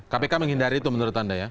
kpk menghindari itu menurut anda ya